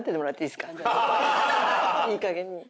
いいかげんに。